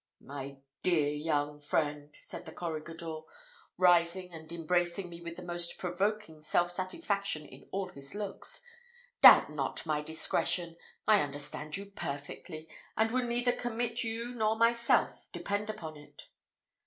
"My dear young friend," said the corregidor, rising and embracing me with the most provoking self satisfaction in all his looks, "doubt not my discretion. I understand you perfectly, and will neither commit you nor myself, depend upon it.